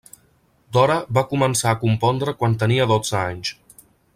Dora va començar a compondre quan tenia dotze anys.